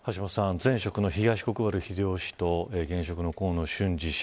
前職の東国原英夫氏と現職の河野俊嗣氏